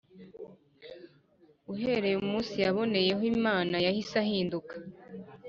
uhereye umunsi yaboneyeho Imana yahise ahinduka